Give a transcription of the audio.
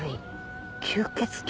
吸血鬼？